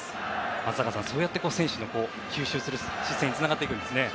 松坂さん、そうやって選手が吸収する姿勢につながっていくんですね。